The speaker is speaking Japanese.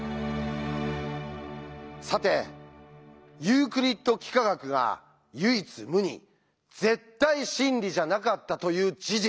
さてユークリッド幾何学が唯一無二絶対真理じゃなかったという事実。